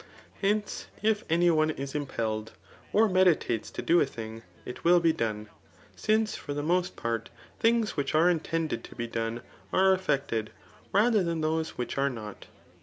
Hence, if any one is impelled, or meditates to do a thing, it will be done j since for the most part things which are intended to be done are ef fected, rather than those which are not.